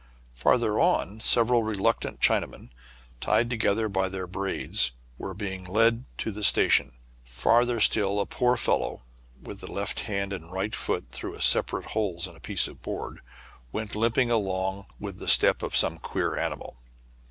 Farther on, several reluctant Chinamen, tied together by their braids, were being led to the station. Farther still, a poor fel low, with the left hand and right foot through sep arate holes in a piece of board, went limping along with the step of some queer animal.